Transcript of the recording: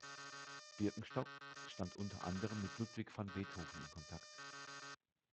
Birkenstock stand unter anderem mit Ludwig van Beethoven in Kontakt.